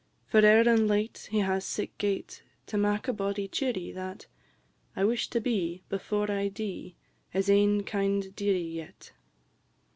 For ear' and late, he has sic gate To mak' a body cheerie, that I wish to be, before I dee, His ain kind dearie yet."